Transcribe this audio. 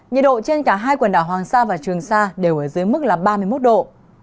nhiệt độ trên cả hai quần đảo hoàng sa và trường sa đều ở dưới mức là ba mươi một độ